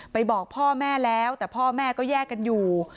บอกพ่อแม่แล้วแต่พ่อแม่ก็แยกกันอยู่